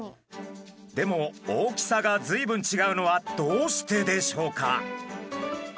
でも大きさがずいぶんちがうのはどうしてでしょうか？